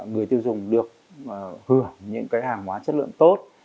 người tiêu dùng được hưởng những cái hàng hóa chất lượng tốt